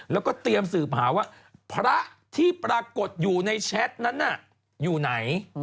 แล้วก็เตรียมสืบหาว่าพระที่ปรากฏอยู่ในแชทนั้นน่ะอยู่ไหน